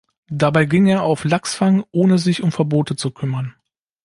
Dabei ging er auf Lachsfang, ohne sich um Verbote zu kümmern.